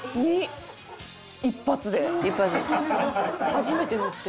初めて乗って。